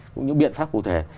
cũng như biện pháp cụ thể